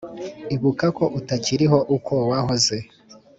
Ibuka ko utakiriho uko wahozeho